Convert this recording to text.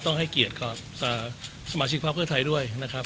ต้องให้เกียรติสมาชิกภาพเครื่องไทยด้วยนะครับ